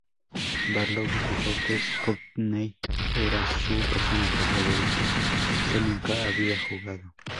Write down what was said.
Barlow dijo que Courtney era su personaje favorito que nunca había jugado.